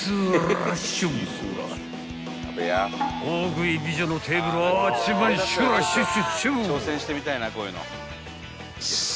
［大食い美女のテーブルはあっちゅう間にシュラシュシュシュ］